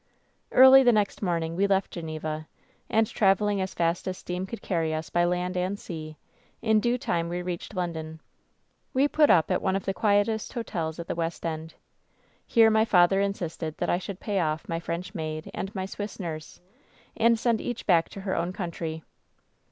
"Early the next morning we left Geneva, and travel ing as fast as steam could carry us by land and sea, in due time we reached London. We put up at one of the quietest hotels at the West End. Here my father in sisted that I should pay oif my French maid and my Swiss nurse, and send each back to her own country.